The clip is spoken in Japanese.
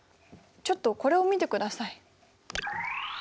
ちょっとこれを見てください。